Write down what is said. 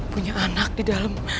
punya anak di dalam